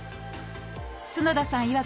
角田さん